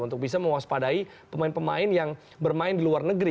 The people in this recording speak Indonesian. untuk bisa mewaspadai pemain pemain yang bermain di luar negeri